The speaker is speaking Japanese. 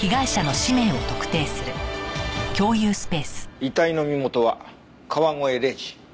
遺体の身元は川越礼司。